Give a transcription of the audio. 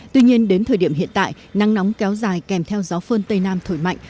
tuy nhiên đến thời điểm hiện tại nắng nóng kéo dài kèm theo gió phơn tây nam thổi mạnh